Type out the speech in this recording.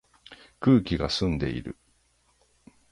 空気が澄んでいる